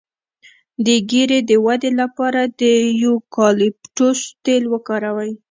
د ږیرې د ودې لپاره د یوکالیپټوس تېل وکاروئ